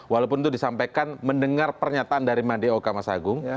walaupun itu disampaikan mendengar pernyataan dari madeoka mas agung